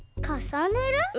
かさねる？